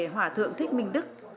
hỏa thượng thích minh đức